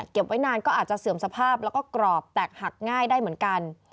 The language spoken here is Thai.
ไว้นานก็อาจจะเสื่อมสภาพแล้วก็กรอบแตกหักง่ายได้เหมือนกัน